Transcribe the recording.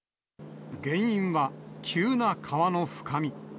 原因は急な川の深み。